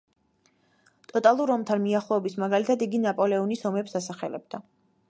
ტოტალურ ომთან მიახლოების მაგალითად იგი ნაპოლეონის ომებს ასახელებდა.